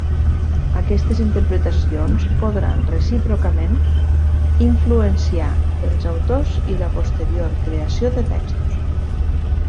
Aquestes interpretacions podran, recíprocament, influenciar els autors i la posterior creació de textos.